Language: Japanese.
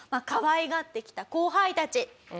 かわいがってきた後輩たち